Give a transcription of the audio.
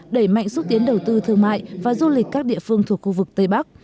đẩy mạnh xúc tiến đầu tư thương mại và du lịch các địa phương thuộc khu vực tây bắc